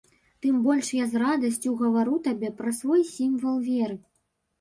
Тым больш я з радасцю гавару табе пра свой сімвал веры.